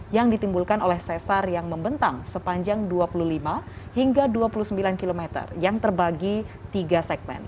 yang ditimbulkan oleh sesar yang membentang sepanjang dua puluh lima hingga dua puluh sembilan km yang terbagi tiga segmen